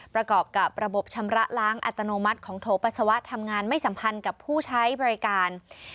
ประกอบกับระบบชำระล้างอัตโนมัติของโถปัสสาวะทำงานไม่สัมพันธ์กับผู้ใช้บริการ